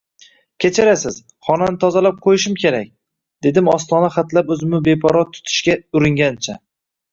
-Kechirasiz, xonani tozalab qo’yishim kerak, — dedim ostona xatlab o’zimni beparvo tutishga uringancha.